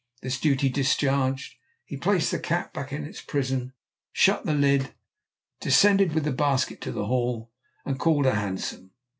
This duty discharged, he placed the cat back in its prison, shut the lid, descended with the basket to the hall, and called a hansom.